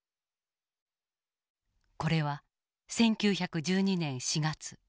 これは１９１２年４月。